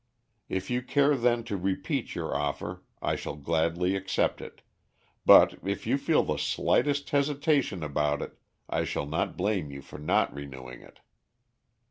If you care then to repeat your offer, I shall gladly accept it, but if you feel the slightest hesitation about it, I shall not blame you for not renewing it."